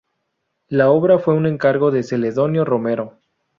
La obra fue un encargo de Celedonio Romero.